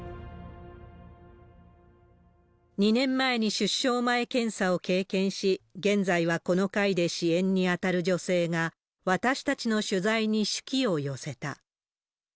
２年前に出生前検査を経験し、現在はこの会で支援にあたる女性が、私たちの取材に手記を寄せた。